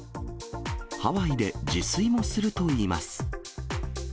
ハワイで自炊もするといいます。